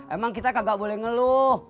emang kita gak boleh ngeluh